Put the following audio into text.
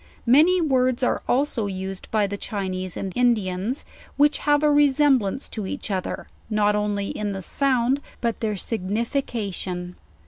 Many words are alpo used by the Chinese and Indiana, which have a resemblance to each other, not only in the sound, but their signification.